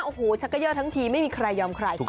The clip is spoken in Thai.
โอ้โหชักเกยอร์ทั้งทีไม่มีใครยอมใคร